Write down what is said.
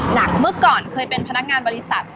เมื่อก่อนเคยเป็นพนักงานบริษัท